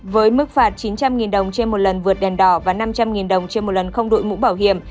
với mức phạt chín trăm linh đồng trên một lần vượt đèn đỏ và năm trăm linh đồng trên một lần không đội mũ bảo hiểm